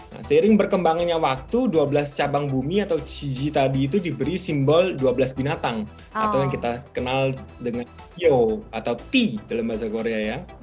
nah seiring berkembangnya waktu dua belas cabang bumi atau jiji tadi itu diberi simbol dua belas binatang atau yang kita kenal dengan yo atau ti dalam bahasa korea ya